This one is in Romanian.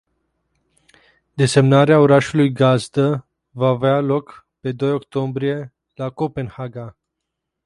Desemnarea orașului gazdă, va avea loc pe doi octombrie, la Copenhaga.